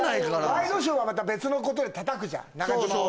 ワイドショーはまた別のことでたたくじゃん、中島のこと。